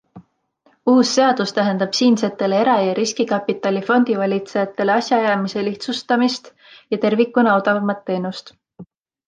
Uus seadus tähendab siinsetele era- ja riskikapitali fondivalitsejatele asjaajamise lihtsustamist ja tervikuna odavamat teenust.